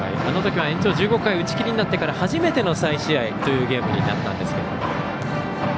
あのときは延長１５回打ち切りになってから初めての再試合というゲームになったんですけども。